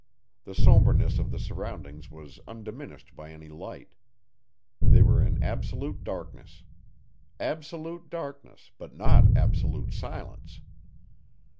The somberness of the surroundings was undiminished by any light. They were in absolute darkness. Absolute darkness, but not absolute silence.